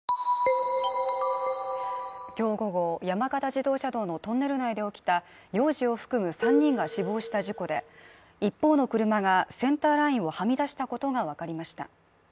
今日午後、山形自動車道のトンネル内で起きた幼児を含む３人が死亡した事故で一方の車がセンターラインをはみ出したことがわかりました。